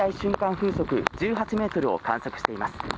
風速１８メートルを観測しています。